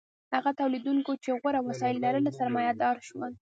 هغو تولیدونکو چې غوره وسایل لرل سرمایه دار شول.